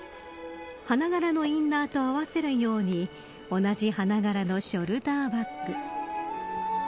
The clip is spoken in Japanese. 花柄のインナーと合わせるように同じ花柄のショルダーバッグ。